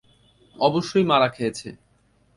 অবশ্যই মারা খেয়েছে।